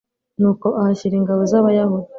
nuko ahashyira ingabo z'abayahudi